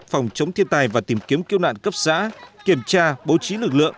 đẩy chống thiên tài và tìm kiếm cứu nạn cấp xã kiểm tra bố trí lực lượng